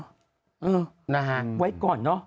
เออนะฮะไว้ก่อนเนอะ